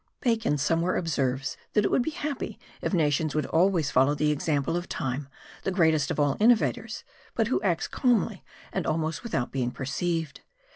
Bacon somewhere observes that it would be happy if nations would always follow the example of time, the greatest of all innovators, but who acts calmly and almost without being perceived.